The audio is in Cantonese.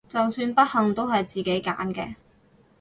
就算不幸都係自己揀嘅！